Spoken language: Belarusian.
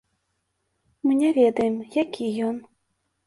Мы не ведаем, які ён.